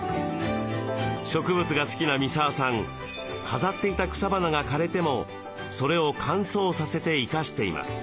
植物が好きな三沢さん飾っていた草花が枯れてもそれを乾燥させて生かしています。